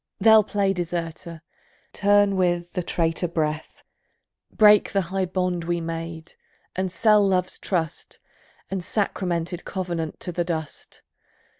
They'll play deserter, turn with the traitor breath, Break the high bond we made, and sell Love's trust And sacramented covenant to the dust.